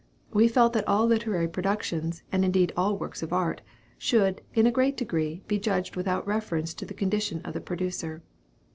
We felt that all literary productions, and indeed all works of art, should, in a great degree, be judged without reference to the condition of the producer.